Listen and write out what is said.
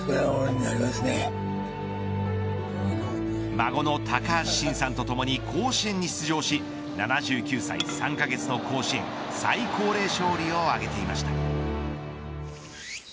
孫の高橋慎さんとともに甲子園に出場し７９歳３カ月の甲子園最高齢勝利を上げていました。